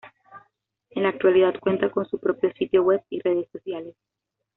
En la actualidad cuentan con su propio sitio web y redes sociales.